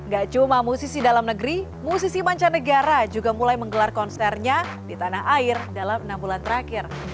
gak cuma musisi dalam negeri musisi mancanegara juga mulai menggelar konsernya di tanah air dalam enam bulan terakhir